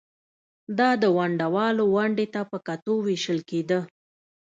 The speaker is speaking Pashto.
دا د ونډه وال ونډې ته په کتو وېشل کېده